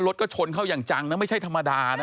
รถก็ชนเข้าอย่างจังนะไม่ใช่ธรรมดานะ